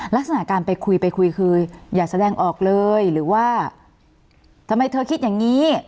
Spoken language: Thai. ลักษณะการไปคุยไปคุยคืออย่าแสดงออกเลยหรือว่าทำไมเธอคิดอย่างนี้